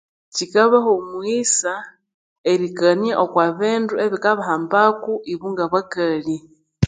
Kyikabaha omughisa erikania oku bindu ebikabahambako ibo nga bakali